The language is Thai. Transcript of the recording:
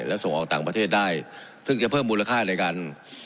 และส่งออกต่างประเทศได้ซึ่งจะเพิ่มมูลค่าในการ